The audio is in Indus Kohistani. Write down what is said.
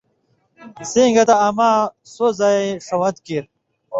سیں گتہ اماں سو زئ ݜوَن٘ت کیریۡ